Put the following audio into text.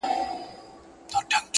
چي محفل د شرابونو به تيار وو؛